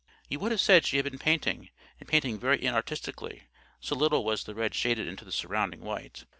You would have said she had been painting, and painting very inartistically, so little was the red shaded into the surrounding white.